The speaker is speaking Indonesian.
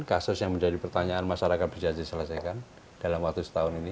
kasus yang menjadi pertanyaan masyarakat bisa diselesaikan dalam waktu setahun ini